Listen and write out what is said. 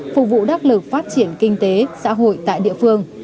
phục vụ đắc lực phát triển kinh tế xã hội tại địa phương